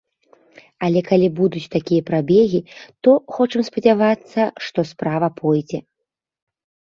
Але калі будуць такія прабегі, то хочам спадзявацца, што справа пойдзе.